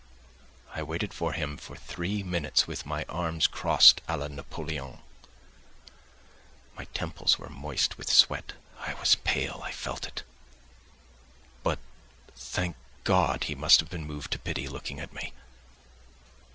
I waited before him for three minutes with my arms crossed à la Napoléon. My temples were moist with sweat. I was pale, I felt it. But, thank God, he must have been moved to pity, looking at me.